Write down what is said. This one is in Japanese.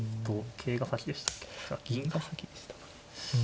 銀が先でしたかね。